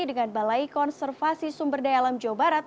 dengan balai konservasi sumber daya alam jawa barat